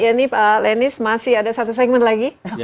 yeni pak lenis masih ada satu segmen lagi